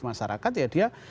masyarakat ya dia